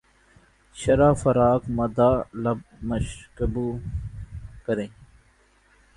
شرح فراق مدح لب مشکبو کریں